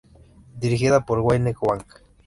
Dirigida por Wayne Wang.